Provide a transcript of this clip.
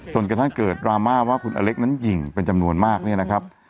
จนกระทั่งเกิดดราม่าว่าคุณอเล็กนั้นยิงเป็นจำนวนมากเนี่ยนะครับ